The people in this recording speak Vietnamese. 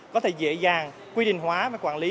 có thể dễ dàng quy định hóa và quản lý